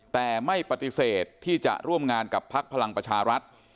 แต่ไม่ปฏิเสธที่จะร่วมงานกับพักพลังประชารัฐ